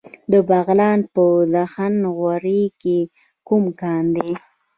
د بغلان په دهنه غوري کې کوم کان دی؟